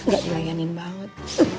gak dilayanin banget